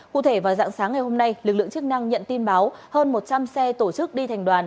cụ thể vào dạng sáng ngày hôm nay lực lượng chức năng nhận tin báo hơn một trăm linh xe tổ chức đi thành đoàn